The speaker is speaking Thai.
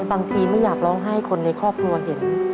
บางทีไม่อยากร้องไห้คนในครอบครัวเห็น